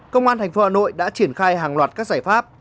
công an thành phố hà nội đã triển khai hàng loạt các giải pháp